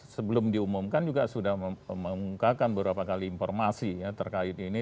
sebelum diumumkan juga sudah mengungkapkan beberapa kali informasi ya terkait ini